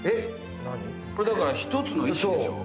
これだから一つの石でしょ。